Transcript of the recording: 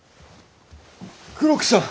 黒木さん！